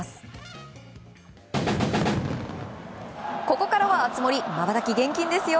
ここからは熱盛まばたき厳禁ですよ。